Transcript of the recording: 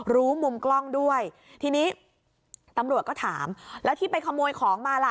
รู้มุมกล้องด้วยทีนี้ตำรวจก็ถามแล้วที่ไปขโมยของมาล่ะ